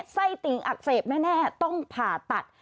ไส้ติ่งอักเสบแน่ต้องผ่าตัด